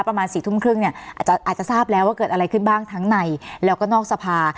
ประมาณ๔ทุ่มครึ่งเนี่ยอาจจะทราบแล้วว่าเกิดอะไรขึ้นบ้างทั้งในแล้วก็นอกสภา